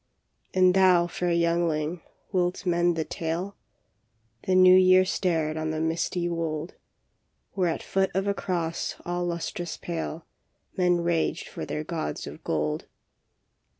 " And thou, fair youngling, wilt mend the tale? " The New Year stared on the misty wold, Where at foot of a cross all lustrous pale Men raged for their gods of gold.